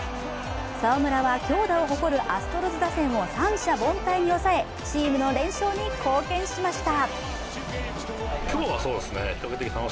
澤村は強打を誇るアストロズ打線を三者凡退に抑えチームの連勝に貢献しました。